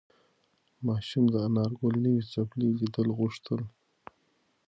ماشوم د انارګل نوې څپلۍ لیدل غوښتل.